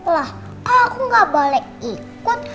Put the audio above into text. lah kalau aku gak boleh ikut